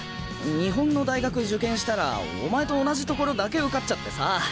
日本の大学受験したらお前と同じところだけ受かっちゃってさあ。